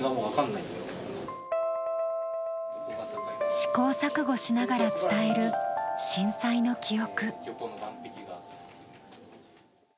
試行錯誤しながら伝える震災の記憶。